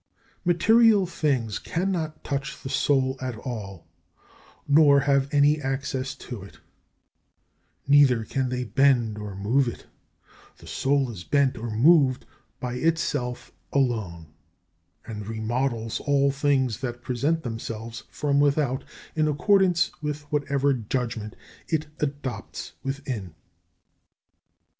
19. Material things cannot touch the soul at all, nor have any access to it: neither can they bend or move it. The soul is bent or moved by itself alone, and remodels all things that present themselves from without in accordance with whatever judgment it adopts within.